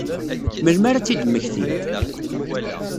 Melmi ara ad tt-id-mmektint?